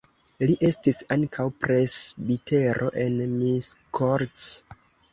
Li estis ankaŭ presbitero en Miskolc.